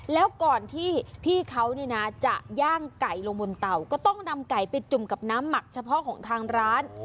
แล้วก่อนที่พี่เขานี่นะจะย่างไก่ลงบนเตาก็ต้องนำไก่ไปจุ่มกับน้ำหมักเฉพาะของทางร้าน